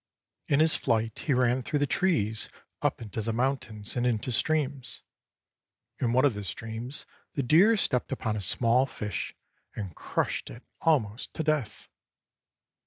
In his flight he ran through the trees up into the mountains and into streams. In one of the streams the deer stepped upon a small fish and crushed it almost to death.